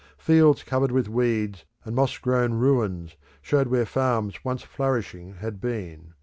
Fields covered with weeds, and moss grown ruins showed where farms once flourishing had been.